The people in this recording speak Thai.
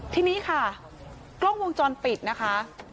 ทีนี้ค่ะกล้องวงจรปิดนะคะ